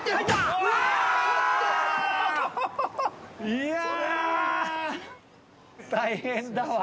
いや大変だわ。